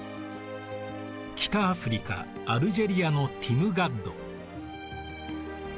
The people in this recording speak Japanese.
北アフリカアルジェリアのティムガッド。